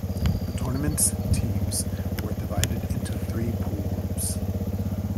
The tournament's teams were divided into three pool groups.